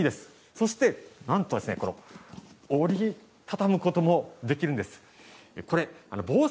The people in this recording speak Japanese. そしてなんと折り畳むこともできるんです。